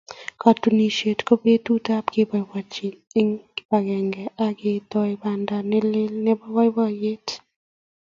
Katunisyet ko betutab keboibochi eng kibagenge ak ketoi banda ne lel nebo boiboiyet.